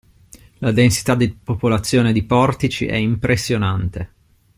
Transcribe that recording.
La densità di popolazione di Portici è impressionante!